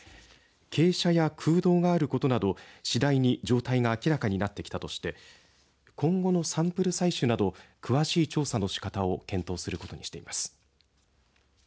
傾斜や空洞があることなど次第に状態が明らかになってきたとして今後のサンプル採取など詳しい調査のしかたを検討することにしています。